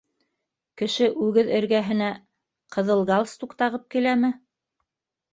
Кеше үгеҙ эргәһенә... ҡыҙыл галстук тағып киләме?